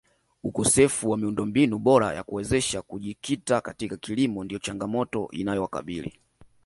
Ukosefu wa miundombinu bora ya kuwawezesha kujikita katika kilimo ndiyo changamoto inayowakabili